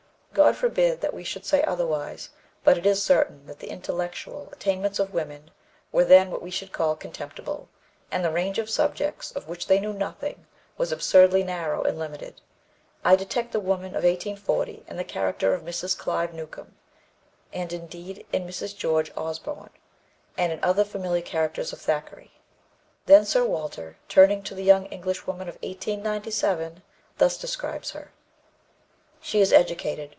God forbid that we should say otherwise, but it is certain that the intellectual attainments of women were then what we should call contemptible, and the range of subjects of which they knew nothing was absurdly narrow and limited. I detect the woman of 1840 in the character of Mrs. Clive Newcome, and, indeed, in Mrs. George Osborne, and in other familiar characters of Thackeray." Then Sir Walter, turning to the young Englishwoman of 1897, thus describes her: "She is educated.